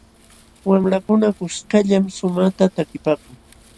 Wamlakuna kuskallam shumaqta takipaakun.